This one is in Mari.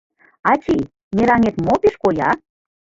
— Ачий, мераҥет мо пеш коя?